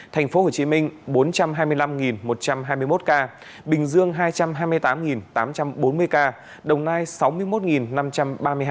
thành phố hồ chí minh bốn trăm hai mươi năm một trăm hai mươi một ca bình dương hai trăm hai mươi tám tám trăm bốn mươi ca đồng nai sáu mươi một năm trăm ba mươi hai ca